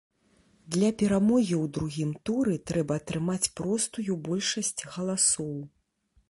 Для перамогі ў другім туры трэба атрымаць простую большасць галасоў.